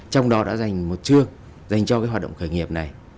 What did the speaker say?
trong đó đã dành một chương dành cho cái hoạt động khởi nghiệp này